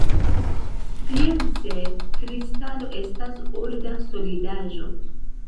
Science, kristalo estas orda solidaĵo.